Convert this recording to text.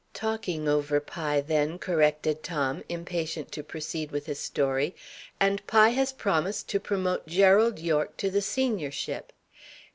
"Talking over Pye, then," corrected Tom, impatient to proceed with his story; "and Pye has promised to promote Gerald Yorke to the seniorship.